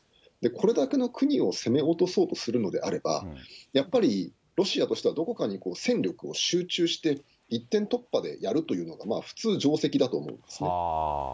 これだけの国を攻め落とそうとするのであれば、やっぱりロシアとしてはどこかに戦力を集中して、一点突破でやるというのが、普通、じょうせきだと思うんですね。